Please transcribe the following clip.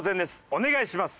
お願いします。